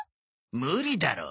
無理だろ。